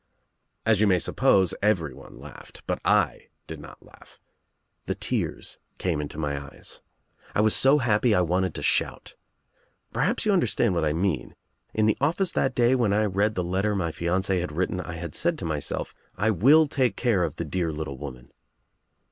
"As you may suppose everyone laughed, but I did not laugh. The tears came Into my eyes. I was so happy I wanted to shout. Perhaps you understand what I mean. In the office that day when I read the letter my fiancee had written I had said to myself, 'I will take care of the dear little woman.'